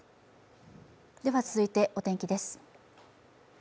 続いて、お天気です。